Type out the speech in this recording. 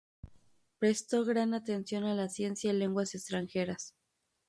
Prestó gran atención a la ciencia y lenguas extranjeras.